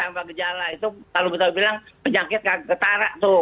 orang tanpa gejala itu kalau betawi bilang penyakit nggak ketara tuh